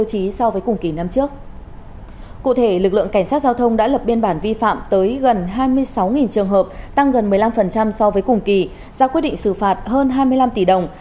cụ thể lực lượng cảnh sát giao thông đã lập biên bản vi phạm tới gần hai mươi sáu trường hợp tăng gần một mươi năm so với cùng kỳ ra quyết định xử phạt hơn hai mươi năm tỷ đồng